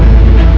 aku terima hormat